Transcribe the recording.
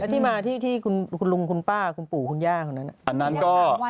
แล้วที่มาที่ลุงคุณป้าคุณปู่คุณย่าง